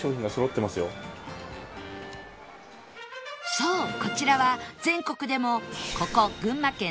そうこちらは全国でもここ群馬県高崎の１店舗